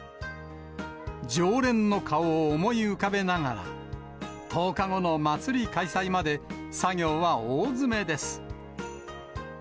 常連の顔を思い浮かべながら、１０日後の祭り開催まで、作業は大詰めです。